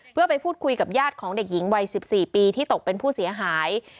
เพื่อไปพูดคุยกับญาติของเด็กหญิงวัย๑๔ปีที่ตกเป็นผู้เสียหาย